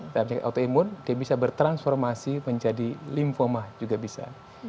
dan penyakit autoimun dia bisa bertransformasi menjadi lymphoma juga bisa